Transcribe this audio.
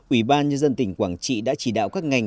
ủy ban nhân dân tỉnh quảng trị đã chỉ đạo các ngành